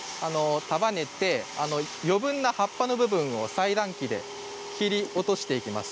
束ねて余分な葉っぱの部分を裁断機で切り落としていきます。